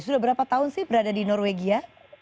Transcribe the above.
sudah berapa tahun sih berada di norwegia